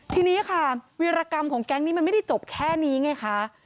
ทีนี้ค่ะวิรกรรมของแก๊งนี้มันไม่ได้จบแค่นี้ไงคะ